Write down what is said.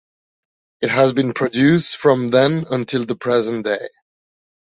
It has been produced from then until the present day.